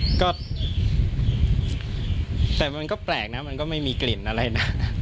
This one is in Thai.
แต่มันก็แปลกนะมันก็ไม่มีกลิ่นอะไรนะ